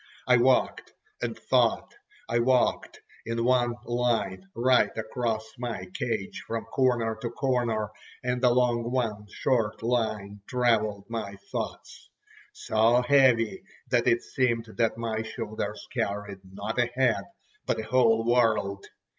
I walked and thought. I walked in one line right across my cage from corner to corner, and along one short line travelled my thoughts, so heavy that it seemed that my shoulders carried not a head, but a whole world.